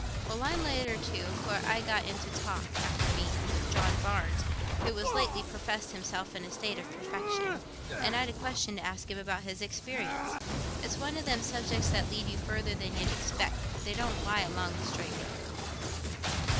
"Well, I'm later too, for I got into talk, after meeting, with John Barnes, who has lately professed himself in a state of perfection, and I'd a question to ask him about his experience. It's one o' them subjects that lead you further than y' expect—they don't lie along the straight road."